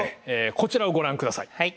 こちらをご覧ください。